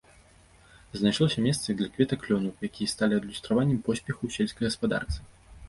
Знайшлося месца і для кветак лёну, якія сталі адлюстраваннем поспехаў у сельскай гаспадарцы.